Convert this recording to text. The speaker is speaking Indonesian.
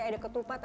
ada ketupat atau